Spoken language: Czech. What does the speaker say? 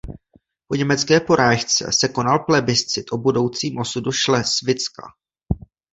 Po německé porážce se konal plebiscit o budoucím osudu Šlesvicka.